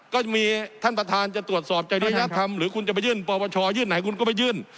ก็จะมีท่านประธานจะตรวจสอบจริยธรรมหรือคุณจะไปยื่นปปชยื่นไหนคุณก็ไปยื่น